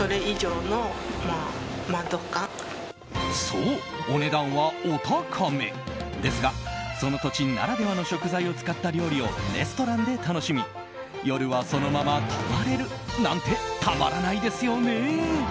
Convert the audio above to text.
そう、お値段はお高めですがその土地ならではの食材を使った料理をレストランで楽しみ夜は、そのまま泊まれるなんてたまらないですよね。